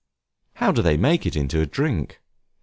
How do they make it into a drink?